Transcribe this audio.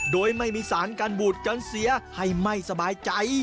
โดยไม่มีสารการบูดจนเสียให้ไม่สบายใจ